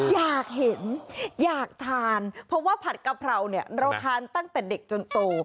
อยากเห็นอยากทานเพราะว่าผัดกะเพราเนี่ยเราทานตั้งแต่เด็กจนโต